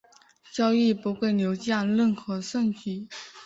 交易不会留下任何证据。